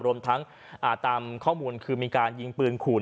รวมทั้งตามข้อมูลคือมีการยิงปืนขู่